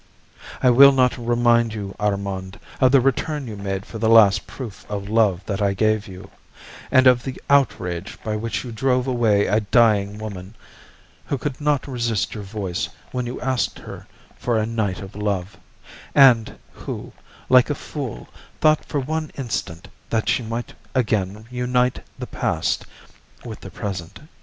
I will not remind you, Armand, of the return you made for the last proof of love that I gave you, and of the outrage by which you drove away a dying woman, who could not resist your voice when you asked her for a night of love, and who, like a fool, thought for one instant that she might again unite the past with the present.